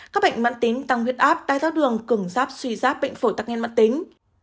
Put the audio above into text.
các bệnh mạng tính tăng huyết áp đai tháo đường cứng ráp suy ráp bệnh phổi tắc nghen mạng tính